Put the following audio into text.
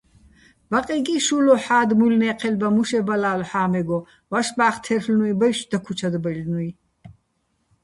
ბაყეკი შულო ჰ̦ა́დ მუჲლნე́ჴელბა მუშებალა́ლო̆ ჰ̦ა́მეგო, ვაშბა́ხ თაჲრლ'ნუჲ ბაჲშო̆ დაქუჩადბაჲლნუჲ.